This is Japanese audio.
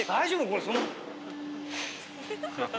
これ。